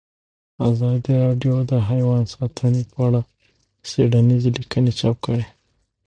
ازادي راډیو د حیوان ساتنه په اړه څېړنیزې لیکنې چاپ کړي.